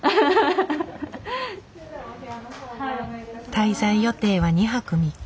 滞在予定は２泊３日。